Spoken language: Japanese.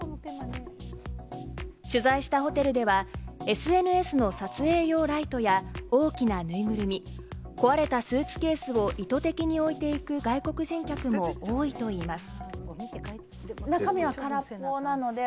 取材したホテルではＳＮＳの撮影用ライトや大きなぬいぐるみ、壊れたスーツケースを意図的に置いていく外国人客も多いといいます。